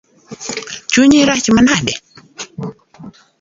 Chunyi rach manade?